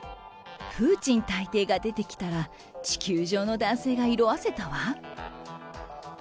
プーチン大帝が出てきたら、地球上の男性が色あせたわ。